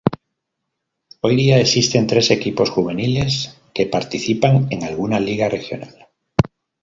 Hoy día existen tres equipos juveniles que participan en alguna liga regional.